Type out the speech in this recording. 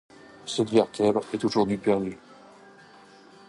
Cette vertèbre est aujourd'hui perdue.